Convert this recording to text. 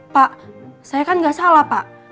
pak saya kan nggak salah pak